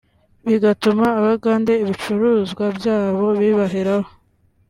bigatuma abagande ibicuruzwa byabo bibaheraho